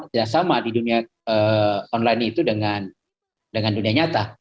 tidak sama di dunia online itu dengan dunia nyata